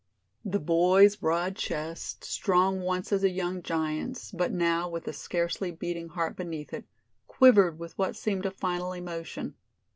The boy's broad chest, strong once as a young giant's, but now with a scarcely beating heart beneath it, quivered with what seemed a final emotion.